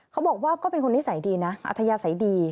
เขาบอกว่าก็เป็นคนนิสัยดีนะอัธยาศัยดี